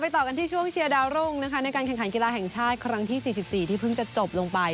ต่อกันที่ช่วงเชียร์ดาวรุ่งนะคะในการแข่งขันกีฬาแห่งชาติครั้งที่๔๔ที่เพิ่งจะจบลงไป